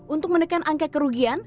untuk menekan angka kerugian